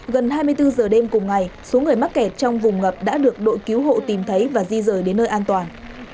gần hai mươi bốn giờ đêm cùng ngày số người mắc kẹt trong vùng ngập đã được đội cứu hộ tìm thấy và di rời đến nơi an toàn